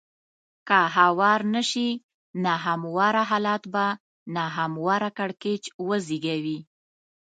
که هوار نه شي نا همواره حالات به نا همواره کړکېچ وزېږوي.